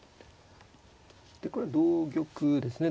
でこれ同玉ですね。